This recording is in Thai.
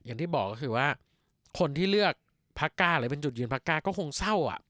อย่างที่บอกก็คือว่าคนที่เลือกพักก้าหรือเป็นจุดยืนพักก้าก็คงเศร้า